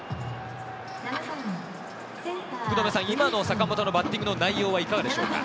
今の坂本のバッティングの内容はいかがでしょうか？